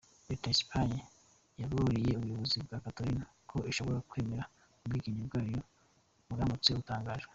Leta ya Espagne yaburiye ubuyobozi bwa Catalonia ko idashobora kwemera ubwigenge bwayo buramutse butangajwe.